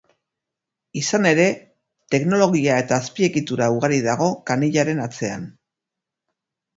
Izan ere, teknologia eta azpiegitura ugari dago kanilaren atzean.